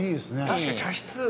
確かに茶室。